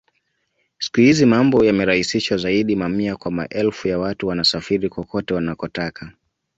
Siku hizi mambo yamerahisishwa zaidi mamia kwa maelfu ya watu wanasafiri kokote wanakotaka